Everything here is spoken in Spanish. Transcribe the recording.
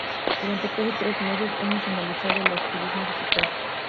Durante casi tres meses, hemos analizado el activismo digital